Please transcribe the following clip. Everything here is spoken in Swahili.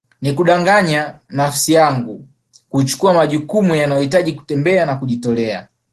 Ni kudanganya nafsi yangu kuchukua majukumu yanayohitaji kutembea na kujitolea